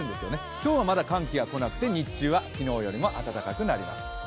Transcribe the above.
今日はまだ寒気が来なくて、日中は昨日より暖かくなります。